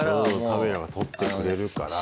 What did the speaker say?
カメラが撮ってくれるから。